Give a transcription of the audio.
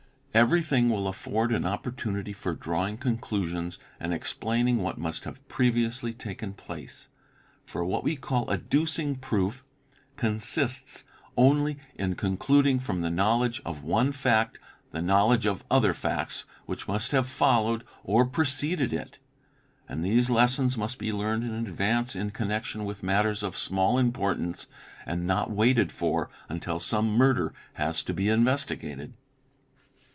Every thing will afford an opportunity for drawing conclusions and explaining what must have previously taken place. For what we call _ "adducing proof" consists only in concluding from the knowledge of one fact the knowledge of other facts which must have followed or preceded " it. And these lessons must be learned in advance in connection with matters of small importance and not waited for until some murder has to be investigated.